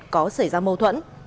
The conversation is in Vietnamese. có xảy ra mâu thuẫn